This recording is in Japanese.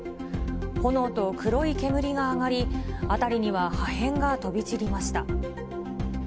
炎と黒い煙が上がり、辺りには破片が飛び散りました。